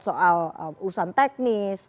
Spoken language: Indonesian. soal urusan teknis